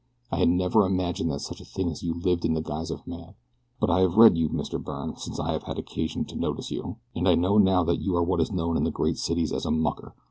I had never imagined that such a thing as you lived in the guise of man; but I have read you, Mr. Byrne, since I have had occasion to notice you, and I know now that you are what is known in the great cities as a mucker.